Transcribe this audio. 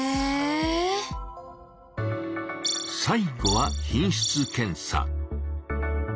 最後は「品質検査」。